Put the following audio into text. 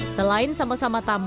selain sama sama tampil